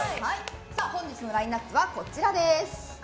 本日のラインアップはこちらです。